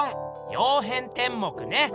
「曜変天目」ね。